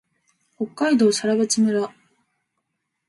北海道更別村